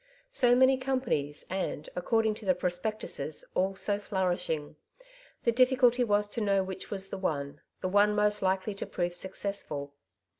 So many companies, and, according to the pro spectuses, all so flourishing. The difficulty was to know which was the one — the one most likely to prove successful.